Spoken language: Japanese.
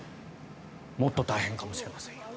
もっと大変かもしれませんよと。